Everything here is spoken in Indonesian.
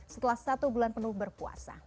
setelah satu bulan penuh berpuasa